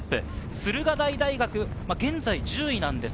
駿河台大学、現在１０位です。